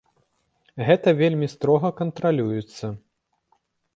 Гэта вельмі строга кантралюецца.